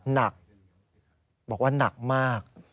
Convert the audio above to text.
หนักบอกว่าหนักมาก